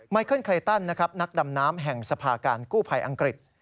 เคิลเคลตันนะครับนักดำน้ำแห่งสภาการกู้ภัยอังกฤษ